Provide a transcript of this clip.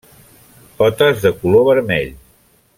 Potes de color vermell.